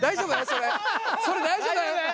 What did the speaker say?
それ大丈夫？